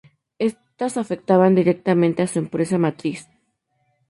Estas afectaban directamente a su empresa matriz.